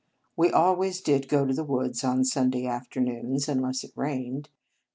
We always did go to the woods on Sunday afternoons, unless it rained.